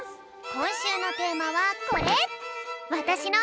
こんしゅうのテーマはこれ！